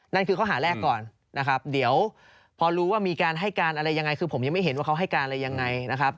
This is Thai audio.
นั่นคือข้อหาแรกก่อนนะครับเดี๋ยวพอรู้ว่ามีการให้การอะไรยังไงคือผมยังไม่เห็นว่าเขาให้การอะไรยังไงนะครับ